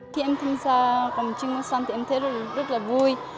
khi em tham gia cổng chiêng múa soang thì em thấy rất là vui